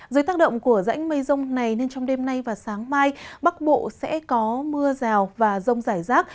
dưới tác động của rãnh mây rông này nên trong đêm nay và sáng mai bắc bộ sẽ có mưa rào và rông rải rác